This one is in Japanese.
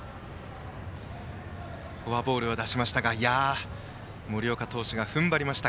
フォアボールを出しましたが森岡投手が踏ん張りました。